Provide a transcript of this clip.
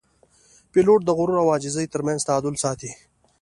پیلوټ د غرور او عاجزۍ ترمنځ تعادل ساتي.